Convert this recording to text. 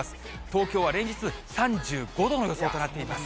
東京は連日３５度の予想となっています。